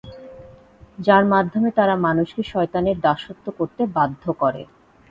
যার মাধ্যমে তারা মানুষকে শয়তানের দাসত্ব করতে বাধ্য করে।